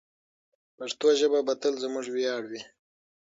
پښتو ژبه به تل زموږ ویاړ وي.